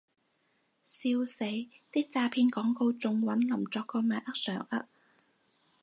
笑死，啲詐騙廣告仲搵林作個名呃上呃